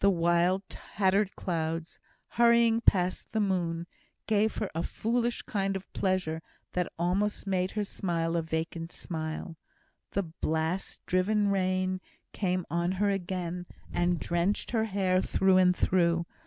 The wild tattered clouds, hurrying past the moon, gave her a foolish kind of pleasure that almost made her smile a vacant smile. The blast driven rain came on her again, and drenched her hair through and through.